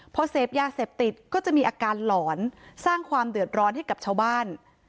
พอเสพยาเสพติดก็จะมีอาการหลอนสร้างความเดือดร้อนให้กับชาวบ้าน